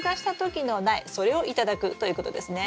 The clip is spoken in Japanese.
それを頂くということですね。